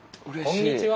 こんにちは。